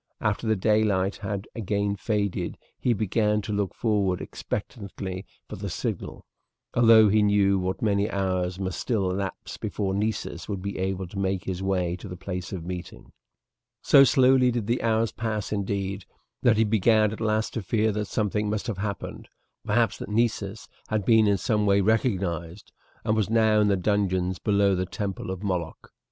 After the daylight had again faded he began to look forward expectantly for the signal, although he knew that many hours must still elapse before Nessus would be able to make his way to the place of meeting. So slowly did the hours pass, indeed, that he began at last to fear that something must have happened perhaps that Nessus had been in some way recognized, and was now in the dungeons below the temple of Moloch.